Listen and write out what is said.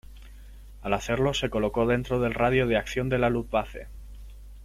Al hacerlo se colocó dentro del radio de acción de la Luftwaffe.